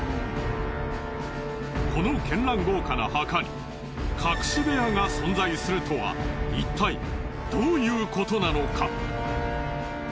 この絢爛豪華な墓に隠し部屋が存在するとはいったいどういうことなのか？